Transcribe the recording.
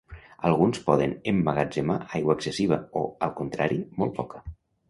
Alguns poden emmagatzemar aigua excessiva o, al contrari, molt poca.